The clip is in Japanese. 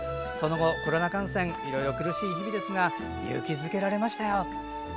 その後、コロナ感染苦しい時期ですが勇気づけられましたよ。